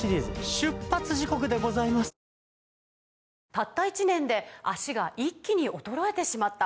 「たった１年で脚が一気に衰えてしまった」